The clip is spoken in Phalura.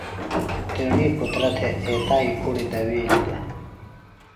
تیݨی پُترہ تھےۡ ایتائیۡ کُڑیۡ دویلیۡ دےۡ